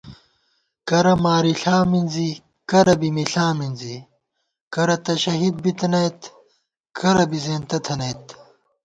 کرہ مارِݪا مِنزی کرہ بی مِݪا مِنزی کرہ تہ شہید بِتِنَئیت کرہ بی زېنتہ تھنَئیت